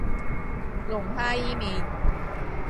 龍蝦伊麵